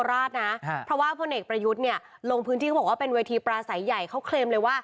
นาฬิกานะว่าเพื่อนเอกประยุทธ์เนี่ยลงพื้นที่ของก็เป็นเวทีปลาสายใหญ่เขาเกลม